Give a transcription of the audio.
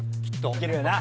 いけるよな。